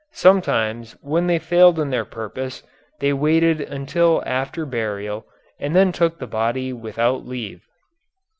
Sometimes when they failed in their purpose they waited until after burial and then took the body without leave.